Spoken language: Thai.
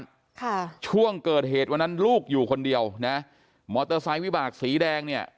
ค่ะช่วงเกิดเหตุวันนั้นลูกอยู่คนเดียวนะมอเตอร์ไซค์วิบากสีแดงเนี่ย